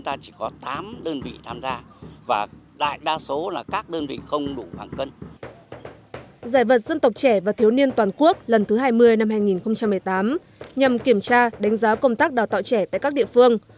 giải vật dân tộc trẻ và thiếu niên toàn quốc lần thứ hai mươi năm hai nghìn một mươi tám nhằm kiểm tra đánh giá công tác đào tạo trẻ tại các địa phương